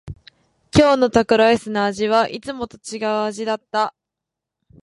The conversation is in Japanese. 今日のタコライスの味はいつもと違う味だった。